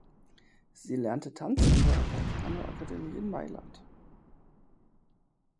Sie lernte Tanz an der Carcano Academy in Mailand.